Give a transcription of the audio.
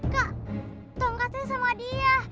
kak tongkatnya sama dia